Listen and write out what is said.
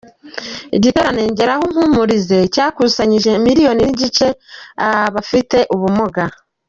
Igiterane “Ngeraho umpumurize” cyakusanyirije miliyoni n’igice abafite ubumuga